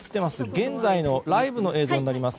現在のライブの映像になります。